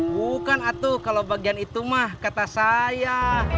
bukan atuh kalau bagian itu mah kata saya